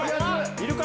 いるか？